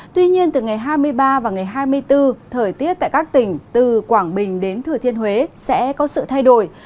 tuy nhiên từ ngày hai mươi ba và ngày hai mươi bốn thời tiết tại các tỉnh từ quảng bình đến thừa thiên huế sẽ có sự thay đổi